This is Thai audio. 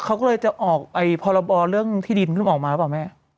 เขาก็เลยจะออกพอละบอบเรื่องที่ดีมผึ้มออกมาแล้วบอกไหม